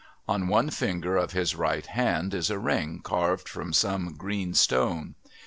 On one finger of his right hand is a ring carved from some green stone.